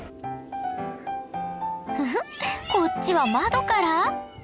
フフッこっちは窓から？